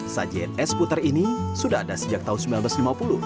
sajian es putar ini sudah ada sejak tahun seribu sembilan ratus lima puluh